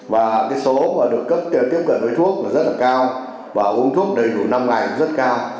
và cái số mà được cấp tiếp cận với thuốc là rất là cao và uống thuốc đầy đủ năm ngày rất cao